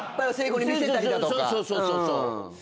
そうそうそうそう！